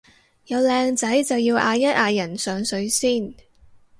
有靚仔就要嗌一嗌人上水先